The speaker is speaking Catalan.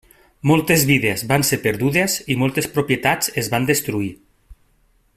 Moltes vides van ser perdudes i moltes propietats es van destruir.